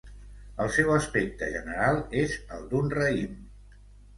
El seu aspecte general és el d'un raïm.